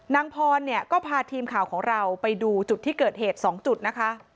นางพรเนี่ยก็พาทีมข่าวของเราไปดูจุดที่เกิดเหตุ๒จุดนะคะ